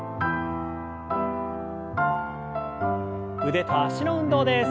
腕と脚の運動です。